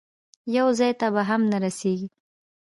یو ځای ته به هم نه رسېږي.